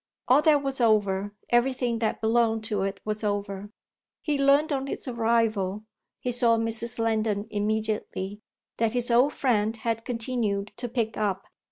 All that was over, everything that belonged to it was over. He learned on his arrival he saw Mrs. Lendon immediately that his old friend had continued to pick up.